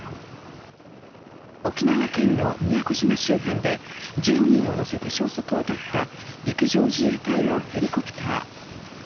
沖縄県の宮古島周辺で１０人を乗せて消息を絶った陸上自衛隊のヘリコプター。